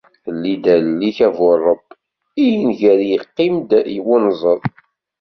Lli-d allen-ik a bu ṛebb, i nger yeqqim-d wenẓad.